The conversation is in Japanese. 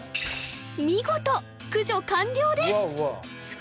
見事駆除完了です